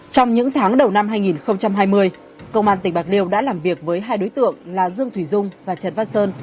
trong những tháng đầu năm hai nghìn hai mươi công an tỉnh bạc liêu đã làm việc với hai đối tượng là dương thủy dung và trần văn sơn